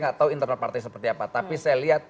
nggak tahu internal partai seperti apa tapi saya lihat